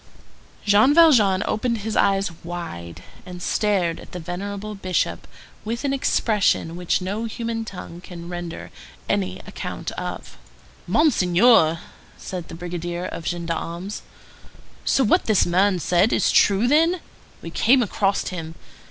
Jean Valjean opened his eyes wide, and stared at the venerable Bishop with an expression which no human tongue can render any account of. "Monseigneur," said the brigadier of gendarmes, "so what this man said is true, then? We came across him.